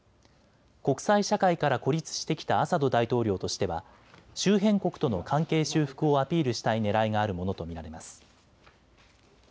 国際社会から孤立してきたアサド大統領としては周辺国との関係修復をアピールしたいねらいがあるものと見られます。